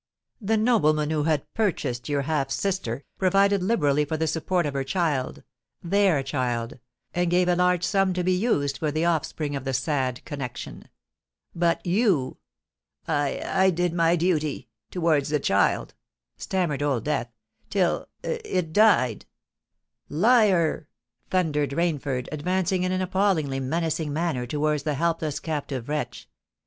"The nobleman who had purchased your half sister, provided liberally for the support of her child—their child—and gave a large sum to be used for the offspring of that sad connexion. But you——" "I—I did my duty—towards the child," stammered Old Death, "till—it died——" "Liar!" thundered Rainford, advancing in an appallingly menacing manner towards the helpless, captive wretch.